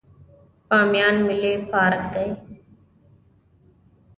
بامیان ملي پارک دی